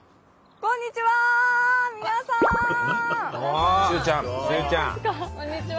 こんにちは！